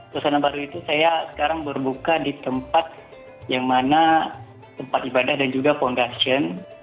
suasana baru itu saya sekarang berbuka di tempat yang mana tempat ibadah dan juga fondasian